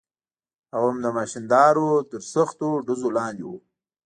هغه هم د ماشیندارو تر سختو ډزو لاندې و.